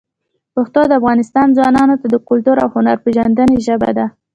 پښتو د افغانستان ځوانانو ته د کلتور او هنر پېژندنې ژبه ده.